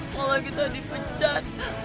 kalau kita dipecat